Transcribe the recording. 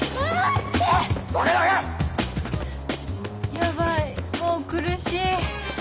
ヤバいもう苦しい